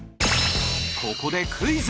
ここでクイズ！